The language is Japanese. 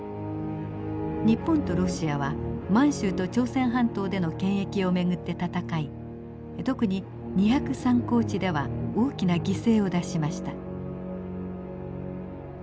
日本とロシアは満州と朝鮮半島での権益を巡って戦い特に２０３高地では大きな犠牲を出しました。